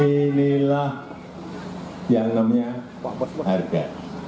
inilah yang namanya harga